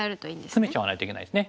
そうつめちゃわないといけないですね。